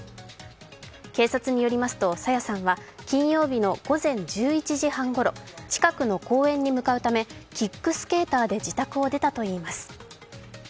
警察によりますと、朝芽さんは金曜日の午前１１時半ごろ、近くの公園に向かうためキックスケーターで自宅を出たといいます。